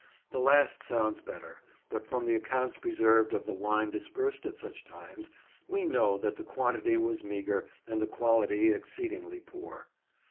The last sounds better, but from the accounts preserved of the wine dispersed at such times we know that the quantity was meagre and the quality exceedingly poor.